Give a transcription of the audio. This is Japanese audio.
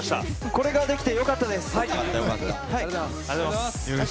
これができて良かったです！